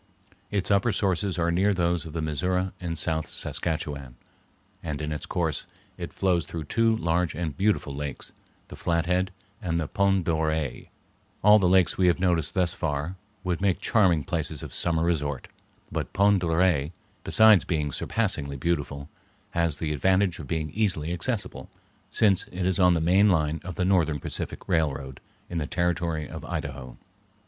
Its upper sources are near those of the Missouri and South Saskatchewan, and in its course it flows through two large and beautiful lakes, the Flathead and the Pend d'Oreille. All the lakes we have noticed thus far would make charming places of summer resort; but Pend d'Oreille, besides being surpassingly beautiful, has the advantage of being easily accessible, since it is on the main line of the Northern Pacific Railroad in the Territory of Idaho.